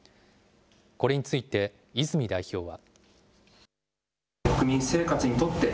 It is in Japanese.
これについて泉代表は。